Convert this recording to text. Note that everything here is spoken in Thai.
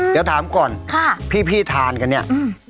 เดี๋ยวถามก่อนพี่ทานกันเนี่ย